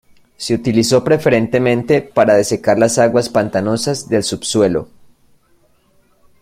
Se utilizó preferentemente para desecar las aguas pantanosas del subsuelo.